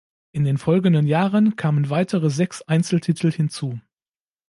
In den folgenden Jahren kamen weitere sechs Einzel-Titel hinzu.